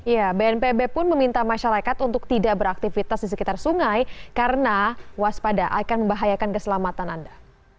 ya bnpb pun meminta masyarakat untuk tidak beraktivitas di sekitar sungai karena waspada akan membahayakan keselamatan anda